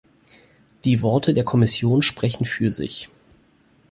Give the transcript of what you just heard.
Die Worte der Kommission sprechen für sich.